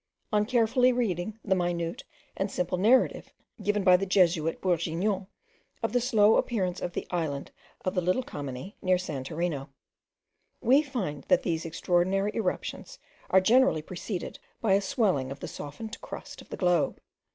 on carefully reading the minute and simple narrative, given by the Jesuit Bourguignon of the slow appearance of the islet of the little Kameni, near Santorino; we find that these extraordinary eruptions are generally preceded by a swelling of the softened crust of the globe.